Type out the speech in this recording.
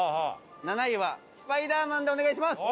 ７位はスパイダーマンでお願いします！